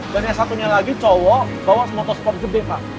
dan yang satunya lagi cowok bawa semotosport jebek pak